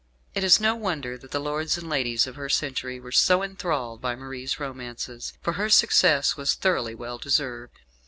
It is no wonder that the lords and ladies of her century were so enthralled by Marie's romances, for her success was thoroughly well deserved.